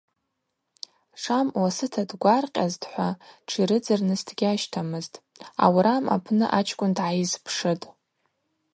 Шам ласыта дгваркъьазтӏхӏва тширыдзырныс дгьащтамызтӏ, аурам апны ачкӏвын дгӏайызпшытӏ.